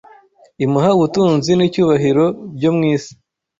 imuha ubutunzi n’icyubahiro byo mu isi